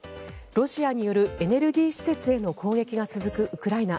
ロシアによるエネルギー施設への攻撃が続くウクライナ。